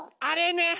あれね！